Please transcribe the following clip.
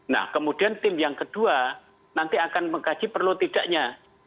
nah kemudian tim yang kedua nanti akan mengkaji perlu tidaknya